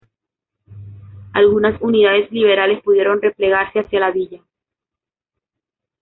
Algunas unidades liberales pudieron replegarse hacia la villa.